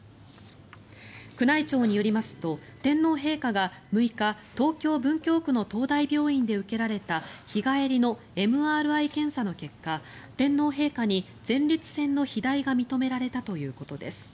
宮内庁によりますと天皇陛下が、６日東京・文京区の東大病院で受けられた日帰りのＭＲＩ検査の結果天皇陛下に前立腺の肥大が認められたということです。